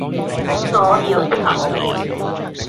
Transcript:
我搖頭